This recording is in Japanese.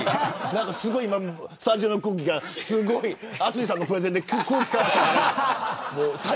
今、スタジオの空気が淳さんのプレゼンですごい変わった。